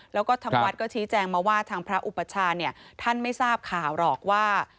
แล้วก็ทางวัดก็ชี้แจงมาว่าทางพระอุปชาเนี่ยท่านไม่ทราบข่าวหรอกว่า